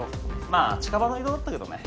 まあ近場の異動だったけどね。